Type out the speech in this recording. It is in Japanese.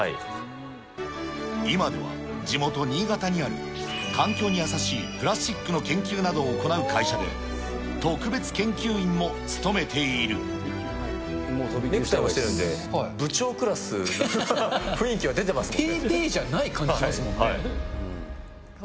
今では地元、新潟にある環境に優しいプラスチックの研究などを行う会社で、ネクタイもしてるんで、部長クラス、雰囲気は出てますもんね。